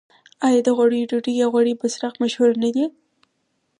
آیا د غوړیو ډوډۍ یا غوړي بسراق مشهور نه دي؟